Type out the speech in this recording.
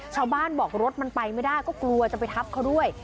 ชาวบ้านบอกรถมันไปไม่ได้ก็กลัวจะไปทับเขาด้วย